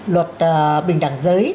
luật bình đẳng giới